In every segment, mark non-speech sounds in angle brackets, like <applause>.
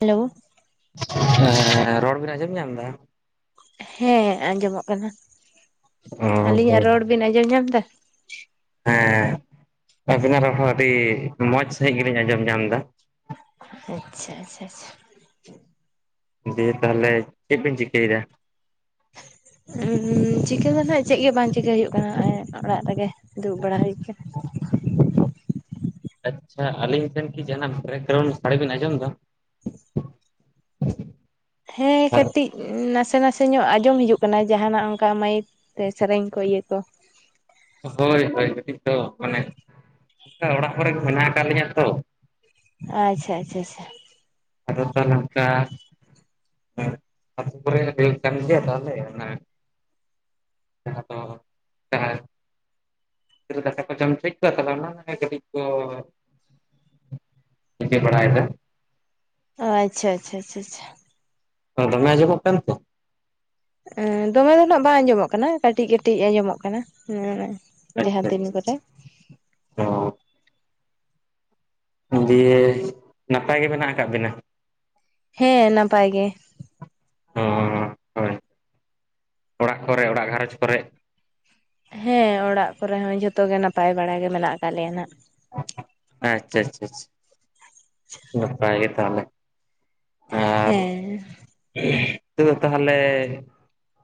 Hello ᱨᱚᱲ ᱵᱮᱱ ᱟᱸᱡᱚᱢ ᱧᱟᱢ ᱮᱫᱟ᱾ ᱦᱮᱸ ᱟᱸᱡᱚᱢᱚᱜ ᱠᱟᱱᱟ ᱚ ᱟᱹᱞᱤᱧᱟᱜ ᱦᱳᱭ ᱨᱚᱲ ᱵᱤᱱ ᱟᱸᱡᱚᱢ ᱧᱟᱢ ᱮᱫᱟ᱾ ᱦᱮᱸ ᱟᱹᱵᱤᱱᱟᱜ ᱨᱚᱲ ᱦᱚᱸ ᱟᱹᱰᱤ ᱢᱚᱡᱽ ᱥᱟᱹᱦᱤᱡ ᱜᱮ ᱞᱤᱧ ᱟᱸᱡᱚᱢ ᱧᱟᱢ ᱮᱫᱟ ᱟᱪᱪᱷᱟ ᱟᱪᱪᱷᱟ ᱟᱪᱪᱷᱟ ᱫᱤᱭᱮ ᱛᱟᱦᱚᱞᱮ ᱪᱮᱫ ᱵᱤᱱ ᱪᱤᱠᱟᱹᱭ ᱮᱫᱟ ᱪᱤᱠᱟᱹ ᱫᱚ ᱦᱟᱸᱜ ᱪᱮᱫ ᱜᱮ ᱵᱟᱝ ᱪᱤᱠᱟᱹᱭ ᱦᱩᱭᱩᱜ ᱠᱟᱱᱟ ᱚᱲᱟᱜ ᱨᱮ ᱜᱮ ᱫᱩᱲᱩᱵ ᱵᱟᱲᱟ ᱦᱩᱭ ᱟᱠᱟᱱᱟ᱾ ᱟᱪᱪᱷᱟ ᱟᱹᱞᱤᱧ ᱴᱷᱮᱱ ᱠᱤ ᱡᱟᱦᱱᱟᱜ ᱵᱨᱮᱠ <unintelligible> ᱥᱟᱰᱮ ᱵᱮᱱ ᱟᱸᱡᱚᱢ ᱮᱫᱟ ᱦᱮᱸ ᱠᱟᱹᱴᱤᱡ ᱱᱟᱥᱮ ᱱᱟᱥᱮ ᱧᱚᱜ ᱟᱸᱡᱚᱢ ᱦᱤᱡᱩᱜ ᱠᱟᱱᱟ ᱡᱟᱦᱟᱱᱟᱜ ᱚᱱᱠᱟ ᱢᱟᱹᱭᱤᱠᱼᱼ ᱛᱮ ᱥᱮᱨᱮᱧ ᱠᱚ ᱤᱭᱟᱹ ᱠᱚᱼᱼ ᱦᱳᱭ ᱦᱳᱭ ᱠᱟᱹᱴᱤᱡ ᱫᱚ ᱢᱟᱱᱮ ᱚᱱᱠᱟ ᱚᱲᱟᱜ ᱠᱚ ᱨᱮ ᱜᱮ ᱢᱮᱱᱟᱜ ᱟᱠᱟᱫ ᱞᱤᱧᱟᱹ ᱛᱚ ᱟᱪᱪᱷᱟ ᱟᱪᱪᱷᱟ ᱟᱪᱪᱷᱟ ᱟᱫᱚ ᱛᱟᱦᱚᱞᱮ ᱱᱚᱝᱠᱟ <unintelligible> <unintelligible> ᱫᱟᱠᱟ ᱠᱚ ᱡᱚᱢ <unintelligible> ᱪᱮᱫ ᱯᱮ ᱵᱟᱲᱟᱭ ᱫᱟ ᱚ ᱟᱪᱪᱷᱟ ᱟᱪᱪᱷᱟ ᱟᱪᱪᱷᱟ ᱟᱪᱷᱟ ᱦᱚᱸ ᱫᱚᱢᱮ ᱟᱸᱡᱚᱢ ᱠᱟᱱᱟ ᱛᱚ ᱦᱩᱸ ᱫᱚᱢᱮ ᱫᱚ ᱱᱟᱜ ᱵᱟᱝ ᱟᱸᱡᱚᱢᱚᱜ ᱠᱟᱱᱟ ᱠᱟᱹᱴᱤᱡ ᱠᱟᱹᱴᱤᱡ ᱟᱸᱡᱚᱢᱚᱜ ᱠᱟᱱᱟ ᱦᱮᱸ ᱟᱪᱪᱷᱟ ᱟᱪᱪᱷᱟ ᱚ ᱫᱤᱭᱮ ᱱᱟᱯᱟᱭ ᱜᱮ ᱢᱮᱱᱟᱜ ᱟᱠᱟᱜ ᱵᱤᱱᱟ ᱦᱮᱸ ᱱᱟᱯᱟᱭ ᱜᱮᱼᱼ ᱚ ᱦᱳᱭ ᱚᱲᱟᱜ ᱠᱚ ᱨᱮ ᱚᱲᱟᱜ ᱜᱷᱟᱨᱚᱸᱡᱽ ᱠᱚ ᱨᱮ ᱦᱮᱸ ᱚᱲᱟᱜ ᱠᱚ ᱨᱮ ᱡᱷᱚᱛᱚ ᱜᱮ ᱱᱟᱯᱟᱭ ᱵᱟᱲᱟ ᱜᱮ ᱢᱮᱱᱟᱜ ᱟᱠᱟᱫ ᱞᱮᱭᱟ ᱱᱟᱜ ᱟᱪᱪᱷᱟ ᱟᱪᱪᱷᱟ ᱟᱪᱪᱷᱟ ᱱᱟᱯᱟᱭ ᱜᱮ ᱛᱟᱦᱚᱞᱮ ᱦᱮᱸ ᱦᱩᱸ ᱛᱟᱦᱚᱞᱮ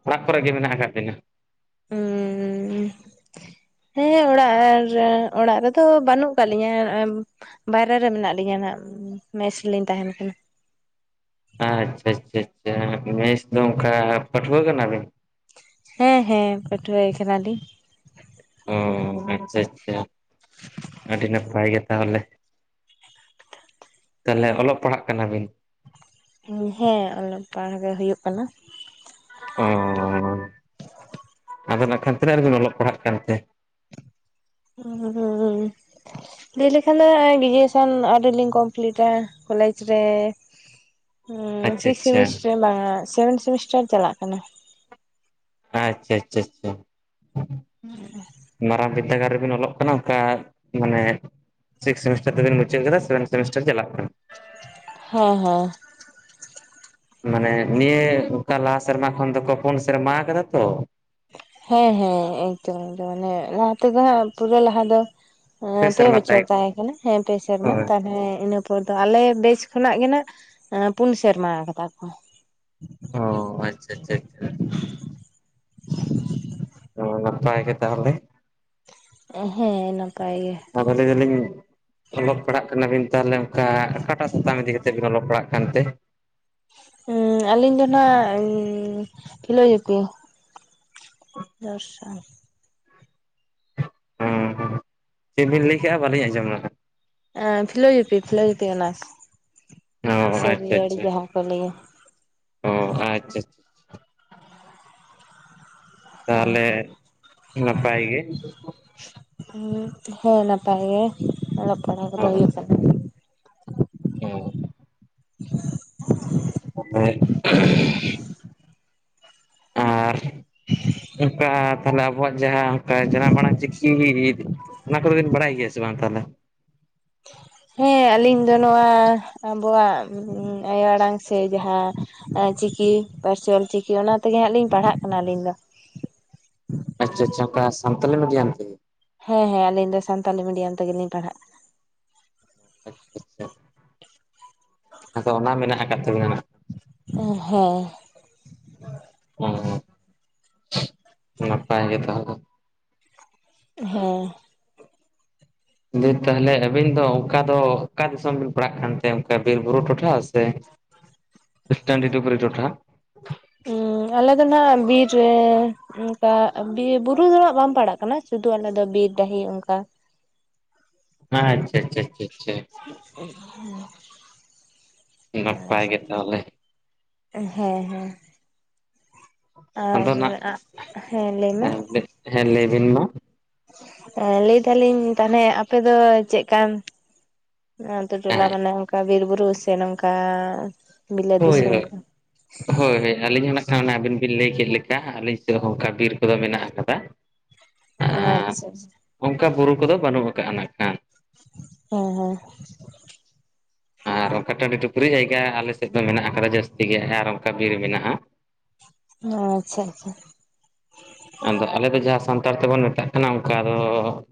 ᱚᱲᱟᱜ ᱠᱚ ᱨᱮ ᱜᱮ ᱢᱮᱱᱟᱜ ᱟᱠᱟᱫ ᱵᱤᱱᱟ ᱩᱸ ᱦᱮᱸ ᱚᱲᱟᱜ <unintelligible> ᱚᱲᱟᱜ ᱨᱮ ᱫᱚ ᱵᱟᱹᱱᱩᱜ ᱟᱠᱟᱫ ᱞᱤᱧᱟᱹ ᱵᱟᱭᱨᱮ ᱨᱮ ᱢᱮᱱᱟᱜ ᱞᱤᱧᱟᱹ ᱱᱟᱦᱟᱜ ᱢᱮᱥ ᱨᱮ ᱞᱤᱧ ᱛᱟᱦᱮᱱ ᱠᱟᱱᱟ᱾ ᱟᱪᱪᱷᱟ ᱟᱪᱪᱷᱟ ᱟᱪᱪᱷᱟ ᱢᱮᱥ ᱫᱚ ᱚᱱᱠᱟ ᱯᱟᱹᱴᱷᱣᱟᱹ ᱠᱟᱱᱟ ᱵᱤᱱ ᱦᱮᱸ ᱦᱮᱸ ᱯᱟᱹᱴᱷᱩᱣᱟᱹ ᱜᱮ ᱠᱟᱱᱟ ᱞᱤᱧᱼᱼ ᱚ ᱟᱪᱪᱷᱟ ᱟᱪᱪᱷᱟ ᱟᱹᱰᱤ ᱱᱟᱯᱟᱭ ᱜᱮᱼᱼ ᱛᱟᱦᱚᱞᱮ ᱛᱟᱦᱚᱞᱮ ᱚᱞᱚᱜ ᱯᱟᱲᱦᱟᱜ ᱠᱟᱱᱟ ᱵᱤᱱᱼᱼ ᱦᱮᱸ ᱚᱞᱚᱜ ᱯᱟᱲᱦᱟᱜ ᱜᱮ ᱦᱩᱭᱩᱜ ᱠᱟᱱᱟ᱾ ᱚᱻ ᱟᱫᱚ ᱱᱟᱜ ᱠᱷᱟᱱ ᱛᱤᱱᱟᱹᱜ ᱨᱮ ᱵᱤᱱ ᱚᱞᱚᱜ ᱯᱟᱲᱦᱟᱜ ᱠᱟᱱ ᱛᱮ <inaudible> ᱞᱟᱹᱭ ᱞᱮᱠᱷᱟᱱ ᱫᱚ ᱜᱨᱮᱡᱩᱭᱮᱥᱚᱱ ᱟᱹᱣᱨᱤ ᱞᱤᱧ ᱠᱚᱢᱯᱞᱤᱴᱟ ᱠᱚᱞᱮᱡ ᱨᱮᱼᱼ ᱦᱩᱸ ᱟᱪᱪᱷᱟ ᱥᱤᱠᱥ ᱟᱪᱪᱷᱟ ᱥᱮᱢᱤᱥᱴᱟᱨ ᱵᱟᱝᱼᱟ ᱥᱮᱵᱷᱮᱱ ᱥᱮᱢᱤᱥᱴᱟᱨ ᱪᱟᱞᱟᱜ ᱠᱟᱱᱟ᱾ ᱟᱪᱪᱷᱟ ᱟᱪᱪᱷᱟ ᱟᱪᱪᱷᱟ <inaudible> ᱢᱟᱨᱟᱝ ᱵᱤᱫᱽᱫᱟᱹᱜᱟᱲ ᱨᱮ ᱵᱤᱱ ᱚᱞᱚᱜ ᱠᱟᱱᱟ ᱚᱱᱠᱟ ᱢᱟᱱᱮᱼᱼ ᱥᱤᱠᱥ ᱥᱮᱢᱤᱥᱴᱟᱨ ᱛᱮ ᱵᱤᱱ ᱢᱩᱪᱟᱹᱣ ᱠᱮᱫᱟ ᱥᱮᱵᱷᱮᱱ ᱥᱮᱢᱤᱥᱴᱟᱨ ᱪᱟᱞᱟᱜ ᱠᱟᱱᱟ <unintelligible> ᱢᱟᱱᱮ ᱱᱤᱭᱟᱹ ᱚᱱᱠᱟ ᱞᱟᱦᱟ ᱥᱮᱨᱢᱟ ᱠᱷᱚᱱ ᱫᱚ ᱠᱚ ᱯᱚᱱ ᱥᱮᱨᱢᱟ ᱠᱟᱫᱟ ᱛᱚ᱾ ᱦᱮᱸ ᱦᱮᱸ ᱮᱠᱫᱚᱢ ᱮᱠᱫᱚᱢ ᱢᱟᱱᱮ ᱞᱟᱦᱟ ᱛᱮᱫᱚ ᱦᱟᱸᱜ ᱯᱩᱨᱟᱹ ᱞᱟᱦᱟ ᱫᱚᱼᱼ ᱦᱮᱸ ᱯᱮ ᱵᱚᱪᱷᱚᱨ ᱛᱟᱦᱮᱸ ᱠᱟᱱᱟ ᱦᱮᱸ ᱯᱮ ᱥᱮᱨᱢᱟ ᱦᱳᱭ ᱛᱟᱞᱦᱮ ᱤᱱᱟᱹᱼᱼ ᱯᱚᱨ ᱫᱚ ᱟᱞᱮ ᱵᱮᱪ ᱠᱷᱚᱱᱟᱜ ᱜᱮ ᱱᱷᱟᱜ ᱯᱩᱱ ᱥᱮᱨᱢᱟ ᱟᱠᱟᱫᱟ ᱠᱚ᱾ ᱚ ᱟᱪᱪᱷᱟ ᱟᱪᱪᱷᱟ ᱟᱪᱪᱷᱟ᱾ <unintelligible> ᱚᱸ ᱱᱟᱯᱟᱭ ᱜᱮ ᱛᱟᱦᱚᱞᱮ᱾ ᱦᱮᱸ ᱱᱟᱯᱟᱭ ᱜᱮ᱾ <inaudible> ᱚᱞᱚᱜ ᱯᱟᱲᱦᱟᱜ ᱠᱟᱱᱟᱵᱤᱱ ᱛᱟᱦᱚᱞᱮ ᱚᱱᱠᱟ ᱚᱠᱟᱴᱟᱜ ᱥᱟᱛᱟᱢ ᱤᱫᱤ ᱠᱟᱛᱮᱜ ᱵᱤᱱ ᱚᱞᱚᱜ ᱯᱟᱲᱦᱟᱜ ᱠᱟᱱ ᱛᱮ? ᱦᱩᱸ ᱟᱹᱞᱤᱧ ᱫᱚ ᱱᱷᱟᱜ ᱯᱷᱤᱞᱳᱡᱚᱯᱤ᱾ ᱫᱚᱨᱥᱚᱱ ᱚᱸ ᱦᱚᱸ ᱪᱮᱫ ᱵᱤᱱ ᱞᱟᱹᱭᱠᱮᱜ-ᱟ ᱵᱟᱹᱞᱤᱧ ᱟᱸᱡᱚᱢ ᱟᱦᱟᱸᱜ᱾ ᱮᱸ ᱯᱷᱤᱞᱳᱡᱳᱯᱤ ᱯᱷᱤᱞᱳᱡᱳᱯᱤ ᱚᱱᱟᱨᱥ᱾ ᱚᱻ ᱟᱪᱪᱟ ᱥᱟᱹᱨᱤᱭᱟᱹᱲ ᱟᱪᱪᱷᱟ ᱡᱟᱦᱟᱸ ᱠᱚ ᱞᱟᱹᱭᱟ ᱚᱻ ᱟᱪᱪᱷᱟ᱾ ᱛᱟᱦᱚᱞᱮ ᱱᱟᱯᱟᱭ ᱜᱮ? ᱦᱮᱸ ᱱᱟᱯᱟᱭ ᱜᱮ ᱚᱞᱚᱜ ᱯᱟᱲᱦᱟᱜ ᱠᱚᱫᱚ ᱦᱩᱭᱩᱜ ᱠᱟᱱᱟ᱾ ᱚᱩᱸ <unintelligible> <inaudible> ᱟᱨ ᱚᱱᱠᱟ ᱛᱟᱦᱚᱞᱮ ᱟᱵᱚᱣᱟᱜ ᱡᱟᱦᱟᱸ ᱚᱱᱠᱟ ᱡᱟᱱᱟᱢ ᱟᱲᱟᱝ ᱪᱤᱠᱤᱼᱼ ᱚᱱᱟ ᱠᱚᱫᱚ ᱵᱤᱱ ᱵᱟᱲᱟᱭ ᱜᱮᱭᱟ ᱥᱮ ᱵᱟᱝ ᱛᱟᱦᱮᱞᱮ? ᱦᱮᱸ ᱟᱹᱞᱤᱧ ᱫᱚ ᱱᱚᱣᱟ ᱟᱵᱚᱣᱟᱜ ᱟᱭᱳ ᱟᱲᱟᱝ ᱥᱮ ᱡᱟᱦᱟᱸᱼᱼ ᱪᱤᱠᱤ ᱯᱟᱹᱨᱥᱤ ᱚᱞ ᱪᱤᱠᱤ ᱚᱱᱟ ᱛᱮᱜᱮ ᱦᱟᱸᱜ ᱞᱤᱧ ᱯᱟᱲᱦᱟᱜ ᱠᱟᱱᱟ ᱟᱹᱞᱤᱧ ᱫᱚ᱾ ᱟᱪᱪᱷᱟ ᱟᱪᱪᱷᱟ ᱚᱠᱟ ᱥᱟᱱᱛᱟᱞᱤ ᱢᱤᱰᱤᱭᱟᱢ ᱛᱮ? ᱦᱮᱸ ᱦᱮᱸ ᱟᱞᱤᱧ ᱫᱚ ᱥᱟᱱᱛᱟᱞᱤ ᱢᱤᱰᱤᱭᱟᱢ ᱛᱮᱜᱮᱞᱤᱧ ᱯᱟᱲᱦᱟᱜ᱾ ᱟᱪᱪᱷᱟ ᱟᱪᱪᱷᱟ ᱟᱫᱚ ᱚᱱᱟ ᱢᱮᱱᱟᱜ ᱟᱠᱟᱫ ᱛᱟᱵᱤᱱᱟ ᱦᱟᱸᱜ ᱚ ᱦᱚᱸ ᱦᱩᱸ ᱱᱟᱯᱟᱭ ᱜᱮ ᱛᱟᱦᱚᱞᱮ᱾ ᱦᱮᱸ ᱞᱟᱹᱭ ᱫᱤᱧ ᱛᱟᱦᱚᱞᱮ ᱟᱵᱤᱱ ᱫᱚ ᱚᱝᱠᱟ ᱫᱚ ᱚᱠᱟ ᱫᱤᱥᱚᱢ ᱵᱤᱱ ᱯᱟᱲᱟᱜ ᱠᱟᱱ ᱛᱟᱦᱮᱸᱫ ᱚᱝᱠᱟ ᱵᱤᱨ ᱵᱩᱨᱩ ᱴᱚᱴᱷᱟᱼᱼ ᱥᱮ <unintelligible> ᱴᱚᱴᱷᱟ᱾ ᱩᱸ ᱟᱞᱮ ᱫᱚᱱᱷᱟᱜ ᱵᱤᱨ ᱨᱮ, ᱚᱝᱠᱟ ᱵᱤᱨ ᱵᱩᱨᱩ ᱫᱚ ᱱᱟᱜ ᱵᱟᱢ ᱯᱟᱲᱟᱜ ᱠᱟᱱᱟ ᱥᱩᱫᱷᱩ ᱟᱞᱮ ᱫᱚ ᱵᱤᱨ ᱰᱟᱹᱦᱤ ᱚᱝᱠᱟ᱾ ᱦᱮᱸ ᱦᱮᱸ ᱟᱪᱪᱷᱟ ᱟᱪᱪᱷᱟ ᱟᱪᱷᱟ ᱪᱟᱼᱼ <inaudible> ᱱᱟᱯᱟᱭ ᱜᱮ ᱛᱟᱦᱚᱞᱮ? ᱦᱮᱸ-ᱦᱮᱸ ᱟᱨ ᱟᱫᱚ ᱱᱟᱜ ᱦᱮᱸ ᱞᱟᱹᱭ ᱢᱮᱼᱼ ᱦᱮᱸ ᱞᱟᱹᱭ ᱵᱤᱱ ᱢᱟ ᱮ ᱞᱟᱹᱭ ᱫᱟᱞᱤᱧ ᱛᱟᱦᱚᱞᱮ ᱟᱯᱮ ᱫᱚ ᱪᱮᱫ ᱠᱟᱱᱼᱼ ᱟᱛᱚ ᱴᱚᱞᱟ ᱦᱮᱸ ᱠᱟᱱᱟ ᱚᱝᱠᱟ ᱵᱤᱨ ᱵᱩᱨᱩ ᱥᱮ ᱱᱚᱝᱠᱟᱻ ᱦᱳᱭ ᱦᱳᱭ ᱦᱳᱭ ᱦᱳᱭ ᱟᱹᱞᱤᱧ ᱦᱚᱸ ᱱᱟᱜ ᱠᱷᱟᱱ ᱟᱱᱮ ᱟᱵᱤᱱ ᱵᱤᱱ ᱞᱟᱹᱭ ᱠᱮᱜ ᱞᱮᱠᱟ ᱟᱹᱞᱤᱧ ᱥᱮᱜ ᱦᱚᱸ ᱚᱝᱠᱟ ᱵᱤᱨᱼᱼ ᱠᱚᱫᱚ ᱢᱮᱱᱟᱜ ᱠᱟᱫᱟ ᱟᱨ ᱟᱪᱪᱷᱟ ᱚᱝᱠᱟ ᱵᱩᱨᱩ ᱠᱚᱫᱚ ᱵᱟᱹᱱᱩᱜ ᱟᱠᱟᱜ-ᱟ ᱱᱟᱜ ᱠᱷᱟᱱᱼᱼ ᱦᱮᱸ-ᱦᱮᱸᱼᱼ ᱟᱨ ᱚᱝᱠᱟ ᱴᱟᱺᱰᱤ ᱴᱩᱯᱨᱤ ᱡᱟᱭᱜᱟ ᱟᱞᱮ ᱥᱮᱫ ᱫᱚ ᱢᱮᱱᱟᱜ ᱟᱠᱟᱫᱟ ᱡᱟᱹᱥᱛᱤ ᱜᱮ ᱟᱨ ᱚᱝᱠᱟ ᱵᱤᱨ ᱢᱮᱱᱟᱜ-ᱟ᱾ ᱟᱪᱪᱷᱟ-ᱟᱪᱪᱷᱟ᱾ ᱟᱫᱚ ᱟᱞᱮ ᱫᱚ ᱡᱟᱦᱟᱸ ᱥᱟᱱᱛᱟᱲ ᱛᱮᱵᱚᱱ ᱢᱮᱛᱟᱜ ᱠᱟᱱᱟ ᱚᱝᱠᱟ ᱫᱚ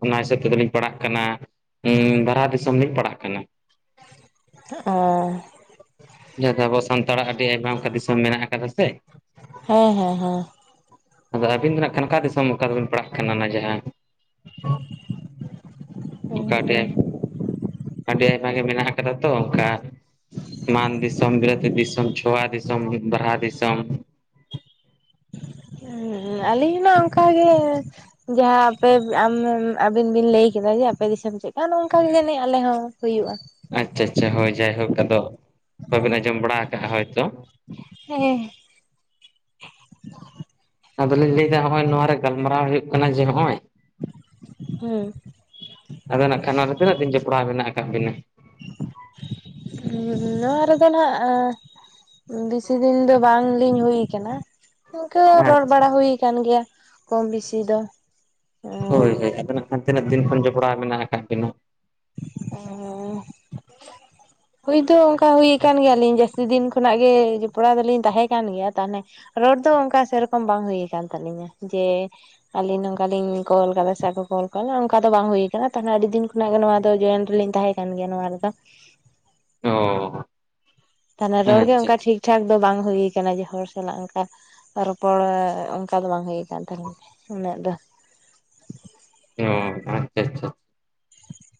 ᱚᱱᱟ ᱦᱤᱥᱟᱹᱵ ᱛᱮᱫᱚᱵᱤᱱ ᱯᱟᱲᱦᱟᱜ ᱠᱟᱱᱟᱼᱼ ᱵᱟᱨᱦᱟ ᱫᱤᱥᱚᱢ ᱞᱤᱧ ᱯᱟᱲᱟᱜ ᱠᱟᱱᱟ᱾ ᱚᱻ ᱡᱟᱦᱟᱸ ᱫᱚ ᱟᱵᱚ ᱥᱟᱱᱛᱟᱲᱟᱜ ᱟᱹᱰᱤ ᱟᱭᱢᱟ ᱚᱝᱠᱟ ᱫᱤᱥᱚᱢ ᱢᱮᱱᱟᱜ ᱠᱟᱫᱟ ᱥᱮ ᱦᱮᱸ ᱦᱮᱸ ᱦᱚᱸ ᱟᱫᱚ ᱟᱹᱵᱤᱱ ᱫᱚ ᱱᱟᱜ ᱠᱷᱟᱱ ᱚᱠᱟ ᱫᱤᱥᱚᱢ ᱚᱝᱠᱟ ᱫᱚᱵᱤᱱ ᱯᱟᱲᱦᱟᱜ ᱠᱟᱱᱟ ᱚᱱᱟ ᱡᱟᱦᱟᱸ <unintelligible> ᱚᱠᱟᱴᱮ ᱟᱹᱰᱤ ᱟᱭᱢᱟ ᱜᱮ ᱢᱮᱱᱟᱜ ᱠᱟᱫᱟ ᱛᱚ ᱚᱝᱠᱟ ᱢᱟᱱ ᱫᱤᱥᱚᱢ ᱵᱤᱞᱟᱹᱛ ᱫᱤᱥᱚᱢ ᱪᱷᱚᱣᱟ ᱫᱤᱥᱚᱢ ᱵᱟᱨᱦᱟ ᱫᱤᱥᱚᱢ ᱦᱮᱸ ᱦᱮᱸ ᱟᱹᱞᱤᱧ ᱢᱟ ᱚᱝᱠᱟᱜᱮ ᱡᱟᱦᱟᱸ ᱟᱯᱮ ᱟᱢᱮᱢ ᱟᱵᱤᱱ ᱵᱤᱱ ᱞᱮᱭ ᱠᱮᱫᱟ ᱡᱮ ᱟᱯᱮ ᱫᱤᱥᱚᱢ ᱪᱮᱜ ᱱᱝᱠᱟ ᱜᱮ ᱡᱟᱹᱱᱤᱡ ᱟᱞᱮ ᱦᱚᱸ ᱦᱩᱭᱩᱜᱼᱟ᱾ ᱟᱪᱪᱷᱟ ᱟᱪᱪᱷᱟ ᱦᱳᱭ ᱡᱟᱭᱦᱳᱠ ᱟᱫᱚ ᱵᱟᱵᱤᱱ ᱟᱸᱡᱚᱢ ᱵᱟᱲᱟ ᱠᱟᱜᱼᱟ ᱦᱳᱭᱛᱚ ᱦᱮᱸ᱾ ᱟᱫᱚᱞᱤᱧ ᱞᱟᱹᱭᱫᱟ ᱱᱚᱸᱜᱼᱚᱭ ᱱᱚᱣᱟ ᱨᱮ ᱜᱟᱞᱢᱟᱨᱟᱣ ᱦᱳᱭᱳᱜ ᱠᱟᱱᱟ ᱡᱮ ᱦᱚᱸᱜᱼᱚᱭ ᱦᱩᱸ ᱟᱫᱚ ᱱᱟᱜ ᱠᱷᱟᱱ ᱱᱚᱣᱟ ᱨᱮ ᱛᱤᱱᱟᱹᱜ ᱫᱤᱱ ᱡᱚᱯᱲᱟᱣ ᱢᱮᱱᱟᱜ ᱠᱟᱜ ᱵᱤᱱᱟ ᱱᱚᱣᱟ ᱨᱮᱫᱚ ᱱᱟᱜ ᱵᱤᱥᱤ ᱫᱤᱱ ᱫᱚ ᱵᱟᱝᱞᱤᱧ ᱦᱩᱭ ᱠᱟᱱᱟ ᱤᱝᱠᱟᱹ ᱨᱚᱲ ᱟᱪᱪᱷᱟ ᱵᱟᱲᱟ ᱦᱩᱭ ᱠᱟᱱ ᱜᱮᱭᱟ ᱠᱚᱢ ᱵᱤᱥᱤ ᱫᱚ ᱚᱸ ᱦᱳᱭ ᱦᱳᱭ ᱟᱫᱚ ᱱᱟᱜ ᱠᱷᱟᱱ ᱛᱤᱱᱟᱹᱜ ᱫᱤᱱ ᱠᱷᱚᱱ ᱡᱚᱯᱲᱟᱣ ᱢᱮᱱᱟᱜ ᱟᱠᱟᱜ ᱠᱤᱱᱟ ᱚ ᱦᱩᱭ ᱫᱚ ᱚᱝᱠᱟ ᱦᱩᱭ ᱟᱠᱟᱱ ᱜᱮᱭᱟᱞᱤᱧ ᱡᱟᱹᱥᱛᱤ ᱫᱤᱱ ᱠᱷᱚᱱᱟᱜ ᱜᱮ ᱡᱚᱯᱲᱟᱣ ᱫᱚᱞᱤᱧ ᱛᱟᱦᱮᱸ ᱠᱟᱱ ᱜᱮᱭᱟ ᱛᱟᱦᱚᱞᱮ ᱨᱚᱲ ᱫᱚ ᱚᱝᱠᱟ ᱥᱮᱨᱚᱠᱚᱢ ᱵᱟᱝ ᱦᱳᱭ ᱠᱟᱱ ᱛᱟᱹᱞᱤᱧᱟ ᱡᱮ ᱟᱞᱤᱧ ᱱᱚᱝᱠᱟᱞᱤᱧ ᱠᱚᱞ ᱠᱟᱫᱟ ᱥᱮ ᱚᱠᱚ ᱠᱚ ᱠᱚᱞ ᱠᱟᱫᱟ ᱚᱝᱠᱟ ᱫᱚ ᱵᱟᱝ ᱦᱩᱭ ᱠᱟᱱᱟ ᱛᱟᱦᱚᱞᱮ ᱟᱹᱰᱤ ᱫᱤᱱ ᱠᱷᱚᱱᱟᱜ ᱜᱮ ᱱᱚᱣᱟ ᱫᱚ ᱡᱚᱭᱮᱱ ᱞᱤᱧ ᱛᱟᱦᱮᱸ ᱠᱟᱱ ᱜᱮᱭᱟ ᱱᱚᱣᱟ ᱨᱮᱫᱚ᱾ ᱚ ᱛᱟᱦᱚᱞᱮ ᱨᱚᱲ ᱜᱮ ᱟᱪᱪᱷᱟ ᱚᱝᱠᱟ ᱟᱪᱪᱷᱟ ᱴᱷᱤᱠ ᱴᱷᱟᱠ ᱫᱚ ᱵᱟᱝ ᱦᱩᱭ ᱠᱟᱱᱟ ᱡᱮ ᱦᱚᱲ ᱥᱟᱞᱟᱜ ᱚᱱᱠᱟ ᱨᱚᱯᱚᱲ ᱚᱱᱠᱟ ᱫᱚ ᱵᱟᱝ ᱦᱩᱭ ᱠᱟᱱ ᱛᱟᱦᱮᱸ ᱞᱤᱧ ᱩᱱᱟᱹᱜ ᱫᱚ ᱚ ᱟᱪᱪᱷᱟ ᱟᱪᱪᱷᱟᱪᱷᱟ᱾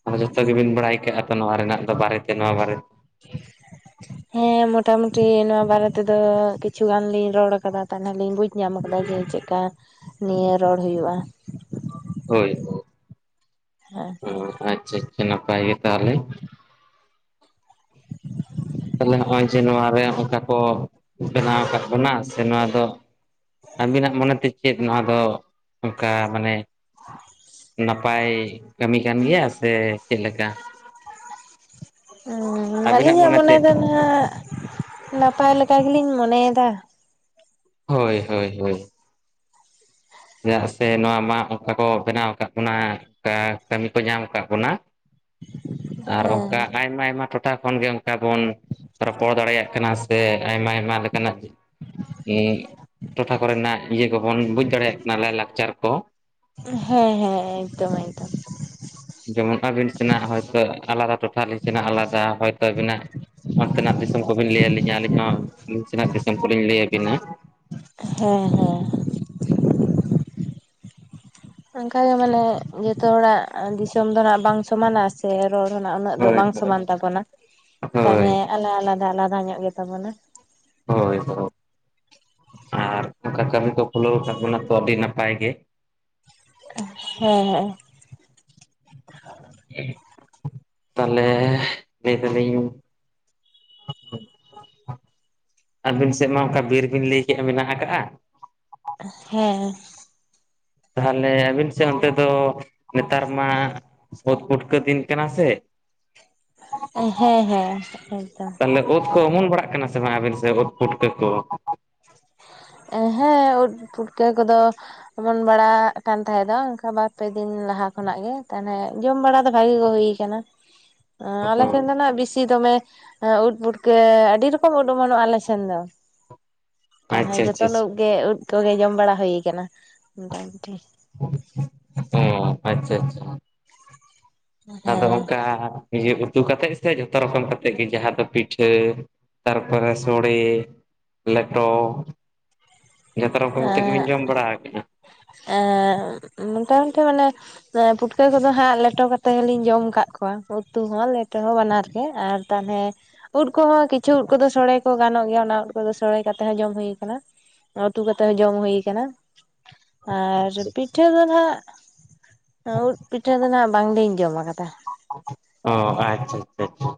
ᱟᱫᱚ ᱡᱷᱚᱛᱚ ᱜᱮᱵᱤᱱ ᱵᱟᱲᱟᱭ ᱠᱟᱜᱼᱟ ᱛᱚ ᱱᱚᱣᱟ ᱨᱮᱱᱟᱜ ᱫᱚ ᱵᱟᱨᱮᱛᱮ ᱱᱚᱣᱟ ᱵᱟᱨᱮᱛᱮ <inaudible> ᱦᱮᱸ ᱢᱚᱴᱟᱢᱩᱴᱤ ᱱᱚᱣᱟ ᱵᱟᱨᱮ ᱛᱮᱫᱚ ᱠᱤᱪᱷᱩ ᱜᱟᱱ ᱞᱤᱧ ᱨᱚᱲ ᱟᱠᱟᱫᱟ ᱛᱟᱦᱞᱮ ᱞᱤᱧ ᱵᱩᱡ ᱧᱟᱢ ᱟᱠᱟᱫᱟ ᱡᱮ ᱪᱮᱫᱠᱟ ᱱᱤᱭᱟᱹ ᱨᱚᱲ ᱦᱩᱭᱩᱜᱼᱟ᱾ ᱦᱳᱭ ᱦᱮᱸ ᱦᱳᱭ ᱟᱪᱪᱷᱟ ᱟᱪᱪᱷᱟ ᱱᱟᱯᱟᱭ ᱜᱮ ᱛᱟᱦᱮᱞᱮ <inaudible> ᱛᱟᱦᱚᱞᱮ ᱱᱚᱜᱼᱚᱭ ᱡᱮ ᱱᱚᱣᱟ ᱨᱮ ᱚᱱᱠᱟ ᱠᱚ ᱵᱮᱱᱟᱣ ᱟᱠᱟᱫ ᱵᱚᱱᱟ ᱥᱮ ᱱᱚᱣᱟ ᱫᱚ ᱟᱹᱵᱤᱱᱟᱜ ᱢᱚᱱᱮᱛᱮ ᱪᱮᱫ ᱱᱚᱣᱟ ᱫᱚ ᱚᱱᱠᱟ ᱢᱟᱱᱮ, ᱱᱟᱯᱟᱭ ᱠᱟᱹᱢᱤ ᱠᱟᱱ ᱜᱮᱭᱟ ᱥᱮ ᱪᱮᱫ ᱞᱮᱠᱟ <unintelligible> ᱟᱹᱵᱤᱱᱟᱜ ᱟᱹᱞᱤᱧᱟᱜ ᱢᱚᱱᱮ ᱢᱚᱱᱮᱛᱮ ᱫᱚ ᱱᱟᱦᱟᱜ ᱱᱟᱯᱟᱭ ᱞᱮᱠᱟ ᱜᱮᱞᱤᱧ ᱢᱚᱱᱮᱭᱮᱫᱟ᱾ ᱦᱳᱭ ᱦᱳᱭ ᱦᱳᱭ᱾ ᱪᱮᱫᱟᱜ ᱥᱮ ᱱᱚᱣᱟ ᱢᱟ ᱚᱱᱠᱟ ᱠᱚ ᱵᱮᱱᱟᱣ ᱟᱠᱟᱫ ᱵᱚᱱᱟ ᱠᱟᱹᱢᱤ ᱠᱚ ᱧᱟᱢ ᱟᱠᱟᱫ ᱵᱚᱱᱟ ᱟᱨ ᱦᱮᱸ ᱚᱱᱠᱟ ᱟᱭᱢᱟ ᱟᱭᱢᱟ ᱴᱚᱴᱷᱟ ᱠᱷᱚᱱ ᱜᱮ ᱚᱱᱠᱟ ᱵᱚᱱ ᱨᱚᱯᱚᱲ ᱫᱟᱲᱮᱭᱟᱜᱼᱟ᱾ ᱠᱟᱱᱟ ᱥᱮ ᱟᱭᱢᱟ ᱟᱭᱢᱟ ᱞᱮᱠᱟᱱᱟᱜ ᱦᱩ ᱴᱚᱴᱷᱟ ᱠᱚᱨᱮᱱᱟᱜ ᱤᱭᱟᱹ ᱠᱚᱵᱚᱱ ᱵᱩᱡᱽ ᱫᱟᱲᱮᱭᱟᱜ ᱠᱟᱱᱟ ᱞᱟᱭᱼᱞᱟᱠᱪᱟᱨ ᱠᱚ᱾ ᱦᱮᱸ ᱦᱮᱸ ᱮᱠᱫᱚᱢ ᱮᱠᱫᱚᱢ᱾ ᱡᱮᱢᱚᱱ ᱟᱹᱵᱤᱱ ᱥᱮᱱᱟᱜ ᱦᱚᱳᱭᱛᱳ ᱟᱞᱟᱫᱟ ᱴᱚᱴᱷᱟ ᱟᱞᱤᱧ ᱥᱮᱱᱟᱜ ᱟᱞᱟᱫᱟ ᱦᱚᱳᱭᱛᱳ ᱟᱹᱵᱤᱱᱟᱜ ᱚᱱᱛᱮᱱᱟᱜ ᱫᱤᱥᱚᱢ ᱠᱚᱵᱤᱱ ᱞᱟᱹᱭ ᱟᱹᱞᱤᱧᱟ ᱟᱹᱞᱤᱧ ᱦᱚᱸ ᱟᱹᱞᱤ ᱥᱮᱤᱱᱟᱜ ᱫᱤᱥᱚᱢ ᱠᱚᱞᱤᱧ ᱞᱟᱹᱭ ᱟᱹᱵᱤᱱᱟ, ᱦᱮᱸ ᱦᱮᱸ᱾ ᱚᱱᱠᱟᱜᱮ ᱢᱟᱱᱮ ᱡᱚᱛᱚ ᱦᱚᱲᱟᱜ ᱫᱤᱥᱚᱢ ᱫᱚ ᱱᱟᱜ ᱵᱟᱝ ᱥᱚᱢᱟᱱᱟ ᱥᱮ ᱨᱚᱲ ᱨᱮᱱᱟᱜ ᱩᱱᱟᱹᱜ ᱫᱚ ᱦᱳᱭ ᱵᱟᱝ ᱦᱳᱭ ᱥᱚᱢᱟᱱ ᱛᱟᱵᱚᱱᱟ ᱦᱳᱭ ᱛᱟᱦᱚᱞᱮ, ᱟᱞᱟ ᱟᱞᱟᱫᱟ ᱟᱞᱟᱫᱟ ᱧᱚᱜ ᱜᱮᱛᱟᱵᱚᱱᱟ᱾ ᱦᱳᱭ ᱦᱳᱭ ᱟᱨ ᱚᱱᱠᱟ ᱠᱟᱹᱢᱤ ᱠᱚ ᱠᱷᱩᱞᱟᱹᱣ ᱟᱠᱟᱫ ᱵᱚᱱᱟ ᱛᱚ ᱟᱹᱰᱤ ᱱᱟᱯᱟᱭ ᱜᱮ ᱦᱮᱸ ᱦᱮᱸ ᱛᱟᱦᱚᱞᱮ ᱞᱟᱹᱭ ᱫᱟᱞᱤᱧ ᱟᱹᱵᱤᱱ ᱥᱮᱫ ᱢᱟ ᱚᱱᱠᱟ ᱵᱤᱨ ᱵᱤᱱ ᱞᱟᱹᱭ ᱠᱮᱫᱮᱜᱼᱟ ᱢᱮᱱᱟᱜ ᱟᱠᱟᱜᱼᱟ ᱾ ᱦᱮᱸ᱾ ᱛᱟᱦᱚᱞᱮ ᱟᱹᱵᱤᱱ ᱥᱮᱫ ᱚᱱᱛᱮ ᱫᱚ ᱱᱮᱛᱟᱨ ᱢᱟ ᱚᱛ ᱯᱩᱴᱠᱟᱹ ᱫᱤᱱ ᱠᱟᱱᱟ ᱥᱮ, ᱦᱮᱸ ᱦᱮᱸ ᱮᱠᱫᱚᱢ᱾ ᱳᱫ ᱠᱚ ᱚᱢᱚᱱ ᱵᱟᱲᱟᱜ ᱠᱟᱱᱟ ᱥᱮ ᱵᱟᱝ ᱟᱵᱤᱱ ᱥᱮ ᱳᱫ ᱯᱩᱴᱠᱟᱹ ᱠᱚ? ᱦᱮᱸ ᱳᱫ ᱯᱩᱴᱠᱟᱹ ᱠᱚᱫᱚ ᱚᱢᱚᱱ ᱵᱟᱲᱟᱜ ᱠᱟᱱ ᱛᱟᱦᱮᱸ ᱫᱚ ᱚᱱᱠᱟ ᱵᱟᱨ ᱯᱮ ᱫᱤᱱ ᱞᱟᱦᱟ ᱠᱷᱚᱱᱟᱜ ᱜᱮ, ᱛᱟᱦᱚᱞᱮ ᱡᱚᱢ ᱵᱟᱲᱟ ᱫᱚ ᱵᱷᱟᱜᱤ ᱜᱮ ᱦᱩᱭ ᱟᱠᱟᱱᱟ᱾ ᱟᱞᱮ ᱴᱷᱮᱱ ᱫᱚ ᱱᱟᱜ ᱵᱮᱥᱤ ᱫᱚᱢᱮ ᱮ ᱩᱫ ᱯᱩᱴᱠᱟᱹ ᱟᱹᱰᱤ ᱨᱚᱠᱚᱢ ᱩᱫ ᱚᱢᱚᱱᱚᱜᱼᱟ ᱟᱞᱮ ᱥᱮᱱ ᱫᱚ᱾ ᱛᱟᱦᱚᱞᱮ ᱟᱪᱪᱷᱟ ᱟᱪᱪᱷᱟ ᱡᱚᱛ ᱞ ᱟᱪᱪᱷᱟ ᱜᱮ ᱩᱫ ᱠᱚᱜᱮ ᱡᱚᱢ ᱵᱟᱲᱟ ᱦᱩᱭᱩ ᱟᱠᱟᱱᱟ ᱢᱚᱴᱟᱢᱩᱴᱤ᱾ ᱚ ᱟᱪᱪᱷᱟ ᱟᱪᱪᱷᱟ, ᱟᱫᱚ ᱚᱱᱠᱟ ᱤᱭᱟᱹ ᱩᱛᱩ ᱠᱟᱛᱮᱮᱫ ᱥᱮ ᱡᱚᱛᱚ ᱨᱚᱠᱚᱢ ᱠᱟᱛᱮᱮᱫ ᱜᱮ ᱡᱟᱦᱟᱸ ᱫᱚ ᱯᱤᱴᱷᱟᱹ ᱛᱟᱨᱯᱚᱨᱮ ᱥᱚᱲᱮ ᱞᱮᱴᱚ ᱡᱚᱛᱚ ᱨᱚᱠᱚᱢ ᱠᱟᱛᱮᱮᱫ ᱜᱮᱵᱤᱱ ᱡᱚᱢ ᱵᱟᱲᱟ ᱟᱠᱟᱫᱟ? ᱮ ᱢᱚᱴᱟᱢᱩᱴᱤ ᱢᱟᱱᱮ ᱯᱩᱴᱠᱟᱹ ᱠᱚᱫᱚ ᱦᱟᱸᱜ ᱞᱮᱴᱚ ᱠᱟᱛᱮᱮᱫ ᱦᱚ ᱞᱤᱧ ᱡᱚᱢ ᱟᱠᱟᱫ ᱠᱚᱣᱟ ᱩᱛᱩ ᱦᱚᱸ ᱞᱮᱴᱚ ᱦᱚᱸ ᱵᱟᱱᱟᱨ ᱜᱮ᱾ ᱟᱨ ᱛᱟᱦᱚᱞᱮ ᱩᱫ ᱠᱚᱦᱚᱸ ᱠᱤᱪᱷᱩ ᱩᱫ ᱠᱚᱫᱚ ᱥᱚᱲᱮ ᱠᱚ ᱜᱟᱱᱚᱜ ᱜᱮᱭᱟ ᱚᱱᱟ ᱩᱫ ᱠᱚᱫᱚ ᱥᱳᱲᱮ ᱠᱟᱛᱮ ᱦᱚᱸ ᱡᱚᱢ ᱦᱩᱭ ᱠᱟᱱᱟ᱾ ᱩᱛᱩ ᱠᱟᱛᱮᱜ ᱦᱚᱸ ᱡᱚᱢ ᱦᱩᱭᱩ ᱠᱟᱱᱟ᱾ ᱟᱨ ᱟᱪᱪᱷᱟ ᱯᱤᱴᱷᱟᱹ ᱫᱚ ᱱᱟᱦᱟᱜ ᱩᱫ ᱯᱤᱴᱷᱟᱹ ᱫᱚ ᱱᱟᱜ ᱵᱟᱝᱞᱤᱧ ᱡᱚᱢ ᱟᱠᱟᱫᱟ᱾ ᱚ ᱟᱪᱪᱷᱟ ᱟᱪᱪᱷᱟ ᱟᱪᱪᱷᱟ,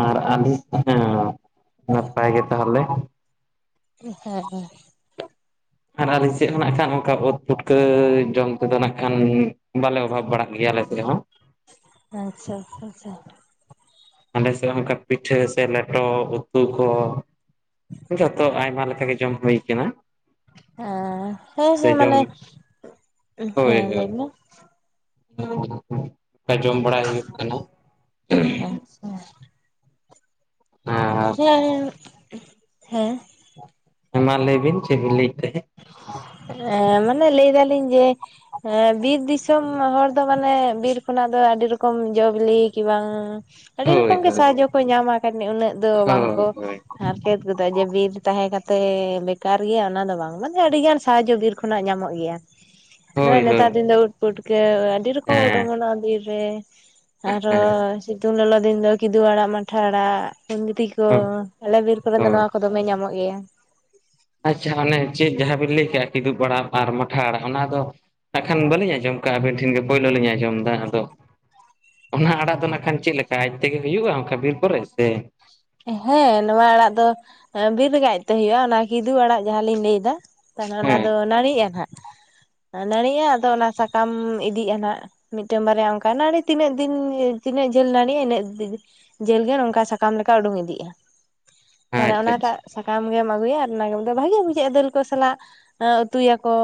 ᱟᱨ ᱟᱞᱤᱧ ᱦᱮᱸ, ᱱᱟᱯᱟᱭ ᱜᱮ ᱛᱟᱦᱚᱞᱮ᱾ <unintelligible> ᱟᱨ ᱟᱞᱤᱧ ᱥᱮᱫ ᱦᱚᱸ ᱱᱟᱜ ᱠᱷᱟᱱ ᱚᱱᱠᱟ ᱩᱫ ᱯᱷᱩᱴᱠᱟᱹ ᱡᱚᱢ ᱠᱚᱫᱚ ᱱᱟᱜ ᱠᱷᱟᱱ ᱵᱟᱞᱮ ᱚᱵᱷᱟᱵ ᱵᱟᱲᱟᱜ ᱜᱮᱭᱟ ᱟᱞᱮ ᱥᱮᱫ ᱦᱚᱸ᱾ ᱟᱪᱪᱷᱟ ᱟᱪᱪᱷᱟ ᱟᱪᱪᱷᱟ, ᱟᱞᱮ ᱥᱮᱫ ᱚᱱᱠᱟ ᱯᱤᱴᱷᱟᱹ ᱥᱮ ᱞᱮᱴᱚ ᱩᱛᱩ ᱠᱚ ᱡᱚᱛᱚ ᱟᱭᱢᱟ ᱞᱮᱠᱟ ᱜᱮ ᱡᱚᱢ ᱦᱩᱭ ᱠᱟᱱᱟ᱾ ᱦᱟ ᱦᱮᱸ ᱥᱮ ᱦᱮᱸ ᱡᱚᱢ ᱢᱟᱱᱮ, ᱦᱳᱭ ᱦᱮᱸ ᱦᱳᱭ ᱞᱟᱹᱭ ᱢᱮ? ᱡᱚᱢ ᱵᱟᱲᱟᱭ ᱦᱩᱭᱩᱜ ᱠᱟᱱᱟ᱾ ᱦᱮᱼ ᱦᱮᱸ, ᱦᱮᱸ ᱢᱟ ᱞᱟᱹᱭ ᱵᱤᱱ ᱪᱮᱫ ᱵᱤᱱ ᱞᱟᱹᱭᱮᱫ ᱛᱟᱦᱮᱸᱫ? ᱮ ᱢᱟᱱᱮ ᱞᱟᱹᱭ ᱫᱟᱞᱤᱧ ᱡᱮ ᱦᱮᱸ ᱵᱤᱨ ᱫᱤᱥᱚᱢ ᱦᱚᱲ ᱫᱚ ᱢᱟᱱᱮ ᱵᱤᱨ ᱠᱷᱚᱱᱟᱜ ᱫᱚ ᱟᱹᱰᱤ ᱨᱚᱠᱚᱢ ᱡᱚᱵᱤᱞᱤ ᱠᱤ ᱵᱟᱝ ᱟᱹᱰᱤ ᱦᱳᱭ ᱨᱚᱠᱚᱢ ᱜᱮ ᱦᱳᱭ ᱥᱟᱦᱟᱡᱚ ᱠᱚᱭ ᱧᱟᱢᱟ <unintelligible> ᱩᱱᱟᱹᱜ ᱫᱚ ᱵᱟᱝᱠᱚ ᱦᱳᱭ ᱦᱳᱭ ᱦᱟᱨᱠᱮᱛ ᱜᱚᱫᱚᱜᱼᱟ, ᱡᱮ ᱵᱤᱨ ᱛᱟᱦᱮᱸ ᱠᱟᱛᱮ ᱵᱮᱠᱟᱨ ᱜᱮᱭᱟ ᱚᱱᱟ ᱫᱚ ᱵᱟᱝ᱾ ᱢᱟᱱᱮ ᱟᱹᱰᱤ ᱜᱟᱱ ᱥᱟᱦᱟᱡᱚ ᱵᱤᱨ ᱠᱷᱚᱱᱟᱜ ᱧᱟᱢᱚᱜ ᱜᱮᱭᱟ᱾ ᱦᱳᱭ ᱱᱚᱜᱼᱚᱭ ᱦᱳᱭ ᱱᱮᱛᱟᱨ ᱫᱤᱱ ᱫᱚ ᱩᱫ ᱯᱩᱴᱠᱟᱹ ᱟᱹᱰᱤ ᱨᱚᱠᱚᱢ ᱩᱫ ᱦᱮᱸ ᱚᱢᱚᱱᱟᱜᱼᱟ ᱵᱤᱨ ᱨᱮ, ᱟᱨᱚ ᱦᱮᱸ ᱥᱤᱛᱩᱝ ᱞᱚᱞᱚ ᱫᱤᱱ ᱫᱚ ᱠᱤᱫᱩ ᱟᱲᱟᱜ ᱢᱟᱴᱷᱟ ᱟᱲᱟᱜ ᱠᱩᱱᱫᱨᱤ ᱠᱚ ᱦᱳᱭ ᱟᱞᱮ ᱵᱤᱨ ᱠᱚᱨᱮ ᱫᱚ ᱦᱳᱭ ᱱᱚᱣᱟ ᱠᱚ ᱫᱚᱢᱮ ᱧᱟᱢᱚᱜ ᱜᱮᱭᱟ᱾ ᱟᱪᱪᱷᱟ ᱚᱱᱮ ᱪᱮᱫ ᱡᱟᱦᱟᱸ ᱵᱤᱱ ᱞᱟᱹᱭ ᱠᱮᱫᱟ ᱠᱤᱫᱩᱵ ᱟᱲᱟᱜ ᱟᱨ ᱢᱟᱴᱷᱟ ᱟᱲᱟᱜ ᱚᱱᱟ ᱫᱚ ᱟᱠᱷᱟᱱ ᱵᱟᱹᱞᱤᱧ ᱟᱸᱡᱚᱢ ᱠᱟᱜᱼᱟ ᱟᱹᱵᱤᱱ ᱴᱷᱮᱱ ᱜᱮ ᱯᱳᱭᱞᱳ ᱞᱤᱧ ᱟᱡᱸᱚᱢ ᱫᱟ᱾ ᱟᱫᱚ ᱚᱱᱟ ᱟᱲᱟᱜ ᱫᱚ ᱱᱟᱠᱷᱟᱱ ᱪᱮᱫ ᱞᱮᱠᱟ ᱟᱡ ᱛᱮᱜᱮ ᱦᱩᱭᱩᱜᱼᱟ ᱚᱱᱠᱟ ᱵᱤᱨ ᱠᱚᱨᱮ ᱥᱮ ᱦᱮᱸ ᱱᱚᱶᱟ ᱟᱲᱟᱜ ᱫᱚ ᱵᱤᱨ ᱨᱮᱜᱮ ᱟᱡᱛᱮ ᱦᱳᱭᱜᱼᱟ ᱚᱱᱟ ᱠᱤᱫᱩ ᱟᱲᱟᱜ ᱡᱟᱦᱟᱸᱞᱤᱧ ᱞᱟᱹᱭᱫᱟ᱾ ᱛᱟᱦᱚᱞᱮ ᱚᱱᱟᱫᱚ ᱦᱮᱸ ᱱᱟᱹᱲᱤᱜᱼᱟ ᱱᱟᱦᱟᱜ ᱱᱟᱹᱲᱤᱜᱼᱟ ᱟᱫᱚ ᱚᱱᱟ ᱥᱟᱠᱟᱢ ᱤᱫᱤᱜᱼᱟ ᱱᱟᱜ᱾ ᱢᱤᱫᱴᱟᱱ ᱵᱟᱨᱭᱟ ᱚᱱᱠᱟ ᱱᱟᱹᱲᱤ ᱛᱤᱱᱟᱹᱜ ᱫᱤᱱ ᱛᱤᱱᱟᱹᱜ ᱡᱷᱟᱹᱞ ᱱᱟᱹᱲᱤᱼᱟ ᱤᱱᱟᱹᱜ ᱫᱤᱱ ᱡᱷᱟᱹᱞ ᱜᱮ ᱚᱱᱠᱟ ᱥᱟᱠᱟᱢ ᱞᱮᱠᱟ ᱩᱰᱩᱝ ᱤᱫᱤᱜᱼᱟ, ᱛᱟᱦᱞᱮ ᱟᱪᱪᱷᱟ ᱚᱱᱟᱴᱟᱜ ᱟᱪᱪᱷᱟ ᱥᱟᱠᱟᱢ ᱜᱮᱢ ᱟᱹᱜᱩᱭᱟ ᱟᱨ ᱚᱱᱟᱜᱮ ᱵᱷᱟᱜᱤ ᱵᱩᱡᱷᱟᱹᱜᱼᱟ ᱫᱟᱹᱞ ᱠᱚ ᱥᱟᱞᱟᱜ ᱩᱛᱩᱭᱟᱠᱚ᱾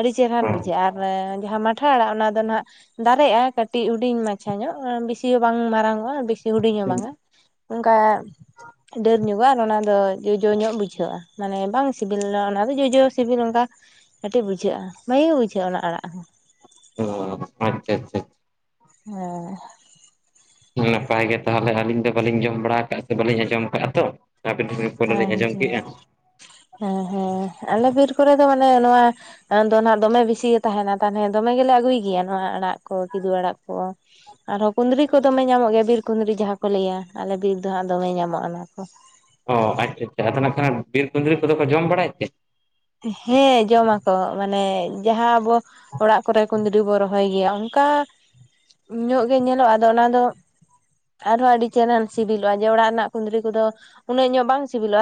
ᱟᱹᱰᱤ ᱪᱮᱦᱟᱱ ᱵᱩᱡᱷᱟᱹᱜᱼᱟ ᱟᱨ ᱡᱟᱦᱟᱸ ᱢᱟᱴ ᱡᱟᱴᱷᱟ ᱟᱲᱟ ᱚᱱᱟ ᱫᱚ ᱱᱟᱦᱟᱜ ᱫᱟᱨᱮᱜᱼᱟ ᱠᱟᱹᱴᱤᱡ ᱦᱩᱰᱤᱧ ᱢᱟᱪᱷᱟ ᱧᱚᱜ ᱵᱤᱥᱤ ᱦᱚᱸ ᱵᱟᱝ ᱢᱟᱨᱟᱝ ᱚᱜᱼᱟ ᱵᱤᱥᱤ ᱦᱩᱰᱤᱧ ᱦᱚ ᱵᱟᱝ-ᱟ᱾ ᱚᱱᱠᱟ ᱰᱟᱹᱨ ᱧᱚᱜᱚᱜᱼᱟ ᱟᱨ ᱚᱱᱟᱫᱚ ᱡᱚᱡᱚ ᱧᱚᱜ ᱵᱩᱡᱷᱟᱹᱜᱼᱟ ᱢᱟᱱᱮ ᱵᱟᱝ ᱥᱤᱵᱤᱞᱟ ᱚᱱᱟᱫᱚ ᱡᱚᱡᱚ ᱥᱤᱵᱤᱞ ᱚᱱᱠᱟ ᱠᱟᱹᱴᱤᱡ ᱵᱩᱡᱷᱟᱹᱜ-ᱟ, ᱵᱷᱟᱜᱤᱜᱮ ᱵᱩᱡᱷᱟᱹᱜ-ᱟ ᱚᱱᱟ ᱟᱲᱟᱜ ᱦᱚᱸ᱾ ᱚ, ᱟᱪᱪᱷᱟ ᱟᱪᱪᱷᱟ ᱪᱷᱟ᱾ ᱦᱚᱸ᱾ ᱱᱟᱯᱟᱭ ᱜᱮ ᱛᱟᱦᱞᱮ ᱟᱹᱞᱤᱧ ᱫᱚ ᱵᱟᱹᱞᱤᱧ ᱡᱚᱢ ᱵᱟᱲᱟ ᱠᱟᱜ-ᱟ ᱥᱮ ᱵᱟᱹᱞᱤᱧ ᱟᱸᱡᱚᱢ ᱠᱟᱜ-ᱟ ᱛᱚ᱾ ᱟᱹᱵᱤᱱ ᱴᱷᱮᱱ ᱜᱮ ᱯᱳᱭᱞᱚ ᱞᱤᱧ ᱟᱸᱡᱚᱢ ᱦᱮᱸ ᱠᱮᱜ-ᱟ᱾ ᱦᱮᱸ ᱦᱮᱸ, ᱟᱞᱮ ᱵᱤᱨ ᱠᱚᱨᱮ ᱫᱚ ᱢᱟᱱᱮ ᱱᱚᱣᱟ ᱟᱫᱚ ᱱᱟᱦᱟᱜ ᱫᱚᱢᱮ ᱵᱤᱥᱤ ᱜᱮ ᱛᱟᱦᱮᱱᱟ ᱛᱟᱦᱞᱮ ᱫᱚᱢᱮ ᱜᱮᱞᱮ ᱟᱹᱜᱩᱭ ᱜᱮᱭᱟ ᱱᱚᱣᱟ ᱟᱲᱟᱜ ᱠᱚ ᱠᱤᱫᱩᱵ ᱟᱲᱟᱜ ᱠᱚ᱾ ᱟᱨᱦᱚᱸ ᱠᱩᱸᱫᱽᱨᱤ ᱠᱚ ᱫᱚᱢᱮ ᱧᱟᱢᱚᱜ ᱜᱮᱭᱟ ᱵᱤᱨ ᱠᱩᱸᱫᱽᱨᱤ ᱡᱟᱦᱟᱸ ᱠᱚ ᱞᱟᱹᱭᱟ ᱟᱞᱮ ᱵᱤᱨ ᱫᱚ ᱦᱟᱸᱜ ᱫᱚᱢᱮ ᱧᱟᱢᱚᱜ-ᱟ ᱚᱱᱟ ᱠᱚ᱾ ᱚ, ᱟᱪᱪᱷᱟ ᱪᱷᱟ ᱟᱫᱚ ᱱᱟᱦᱟᱜ ᱠᱷᱟᱱ᱾ ᱵᱤᱨ ᱠᱩᱸᱫᱽᱨᱤ ᱠᱚᱫᱚ ᱠᱚ ᱡᱚᱢ ᱵᱟᱲᱟᱭᱮᱫ ᱛᱮ? ᱦᱮᱸ ᱡᱚᱢᱟᱠᱚ ᱢᱟᱱᱮ ᱡᱟᱦᱟᱸ ᱟᱵᱚ ᱚᱲᱟᱜ ᱠᱚᱨᱮ ᱠᱩᱸᱫᱽᱨᱤ ᱵᱚ ᱨᱚᱦᱚᱭ ᱜᱮᱭᱟ᱾ ᱚᱝᱠᱟ ᱧᱚᱜ ᱜᱮ ᱧᱮᱞᱚᱜ-ᱟ ᱟᱫᱚ ᱚᱱᱟᱫᱚ ᱟᱨᱦᱚᱸ ᱟᱹᱰᱤ ᱪᱮᱦᱨᱟᱱ ᱥᱤᱵᱤᱞᱚᱜᱼᱟ ᱡᱮ ᱚᱲᱟᱜ ᱨᱮᱱᱟᱜ ᱠᱩᱸᱫᱽᱨᱤ ᱠᱚᱫᱚ ᱩᱱᱟᱹᱜ ᱧᱚᱜ ᱵᱟᱝ ᱥᱤᱵᱤᱞᱚᱜ-ᱟ᱾